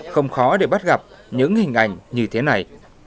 không khó để bắt gặp những hình ảnh như thế này